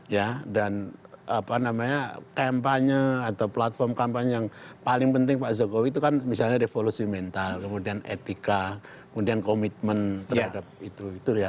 ya dan apa namanya kampanye atau platform kampanye yang paling penting pak jokowi itu kan misalnya revolusi mental kemudian etika kemudian komitmen terhadap itu gitu ya